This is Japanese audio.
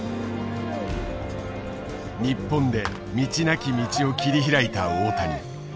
日本で道なき道を切り開いた大谷。